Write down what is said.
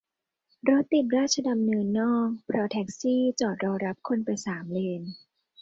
รถติดราชดำเนินนอก เพราะแท็กซี่จอดรอรับคนไปสามเลน !